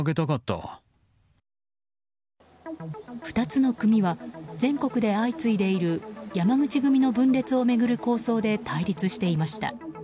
２つの組は全国で相次いでいる山口組の分裂を巡る抗争で対立していました。